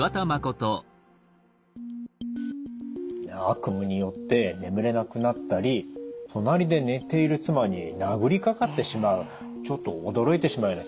悪夢によって眠れなくなったり隣で寝ている妻に殴りかかってしまうちょっと驚いてしまうようなケースでしたね。